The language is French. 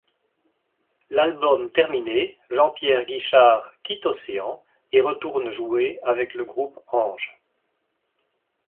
L’album terminé, Jean-Pierre Guichard quitte Océan et retourne jouer avec le groupe Ange.